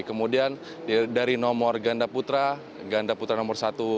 kemudian dari nomor ganda putra ganda putra nomor satu